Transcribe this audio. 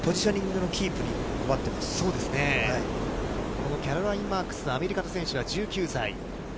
このキャロライン・マークスは、アメリカの選手は１９歳。